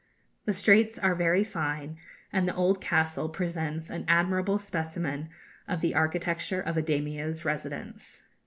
The straits are very fine, and the old castle presents an admirable specimen of the architecture of a Daimio's residence.